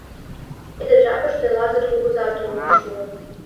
Тиде жапыште Лазыр кугыза толын шуо.